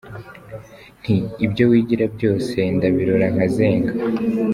Nti “Ibyo wigira byose ndabirora nkazenga.